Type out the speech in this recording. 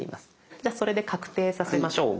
じゃそれで確定させましょう。